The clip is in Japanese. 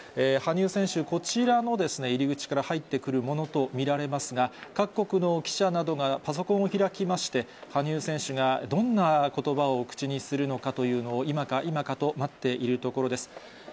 羽生選手、こちらの入り口から入ってくるものと見られますが、各国の記者などがパソコンを開きまして、羽生選手がどんなことばを口にするのかというのを、今か今かと待っているところです。